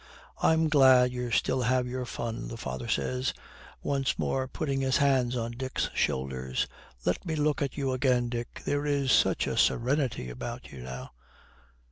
'I'm glad you still have your fun,' the father says, once more putting his hands on Dick's shoulders. 'Let me look at you again, Dick. There is such a serenity about you now.'